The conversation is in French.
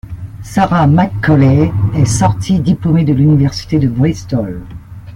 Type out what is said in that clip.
Sarah Macaulay est sortie diplômée de l'université de Bristol.